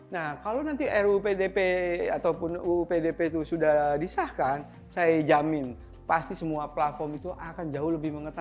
nah kalau nanti ruu pdp ataupun uu pdp itu sudah disahkan saya jamin pasti semua platform itu akan jauh lebih mengetahui